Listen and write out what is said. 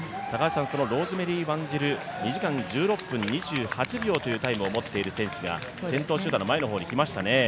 ローズメリー・ワンジル、２時間１６分２８秒というタイムを持っている選手が先頭集団の前の方に来ましたね。